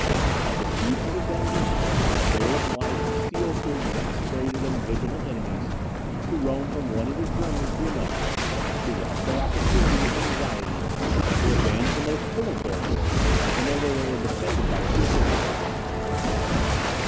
Like a fugitive banditti, they were obliged to steal through exasperated and vigilant enemies; to roam from one end of Germany to another; to watch their opportunity with anxiety; and to abandon the most fertile territories whenever they were defended by a superior army.